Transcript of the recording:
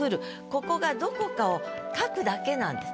ここがどこかを書くだけなんです